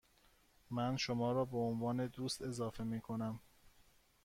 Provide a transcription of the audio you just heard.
من شما را به عنوان دوست اضافه می کنم.